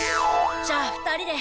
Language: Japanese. じゃあ２人で。